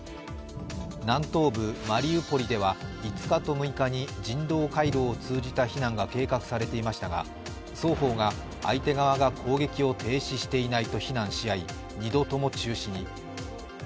南東部マリウポリでは５日と６日に人道回廊を通じた避難が計画されていましたが双方が、相手側が攻撃を停止していないと非難し合い二度とも中止に。